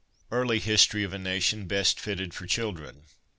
Early History of a Nation best fitted for Children.